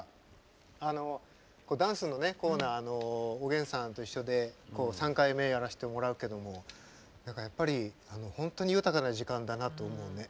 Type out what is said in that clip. ダンスのコーナー「おげんさんといっしょ」で３回目やらせてもらうけど本当にいい豊かな時間だと思うね。